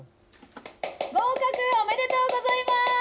合格おめでとうございます！